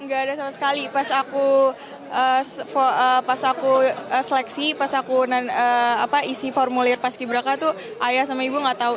gak ada sama sekali pas aku seleksi pas aku isi formulir paski beraka tuh ayah sama ibu gak tahu